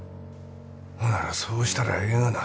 ほならそうしたらええがな。